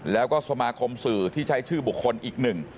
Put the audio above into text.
แล้วก็สมาคมสื่อที่ใช้ชื่อบุคคลอีกหนึ่ง